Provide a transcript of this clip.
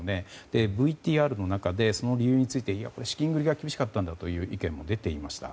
ＶＴＲの中でその理由について資金繰りが厳しかったという意見も出ていました。